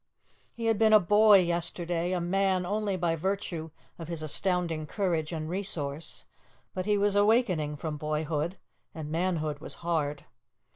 He had been a boy yesterday, a man only by virtue of his astounding courage and resource, but he was awakening from boyhood, and manhood was hard.